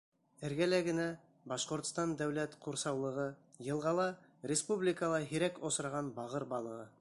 Эргәлә генә — Башҡортостан дәүләт ҡурсаулығы, йылғала — республикала һирәк осраған бағыр балығы.